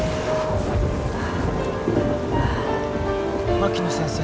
槙野先生。